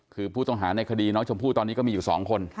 คือผู้ต้องหาในคดีน้องชมพู่ตอนนี้ก็มีอยู่๒คน